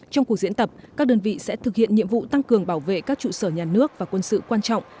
trong cuộc diễn tập các đơn vị sẽ thực hiện nhiệm vụ tăng cường bảo vệ các trụ sở nhà nước và quân sự quan trọng